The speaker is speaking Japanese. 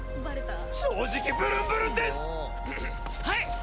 はい！